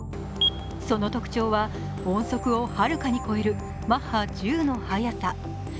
その特徴は、音速をはるかに超えるマッハ１０の速さ。